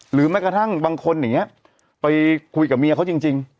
หรือแม้กระทั่งบางคนไปคุยกับเมียเขาจริง